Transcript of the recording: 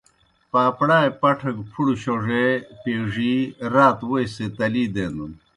پاپڑائے پٹھہ گہ پُھڑہ شوڙے، پیڙِی رات ووئی سے تلی دینَن۔